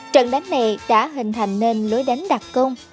trận đánh này đã hình thành nên lối đánh đặc công